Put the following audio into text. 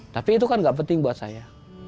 tapi itu kan gak penting buat saya